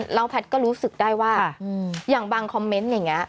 แล้วแพทย์ก็รู้สึกได้ว่าอย่างบางคอมเมนต์อย่างนี้